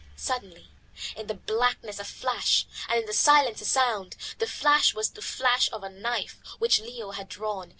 Suddenly in the blackness a flash, and in the silence a sound. The flash was the flash of a knife which Leo had drawn.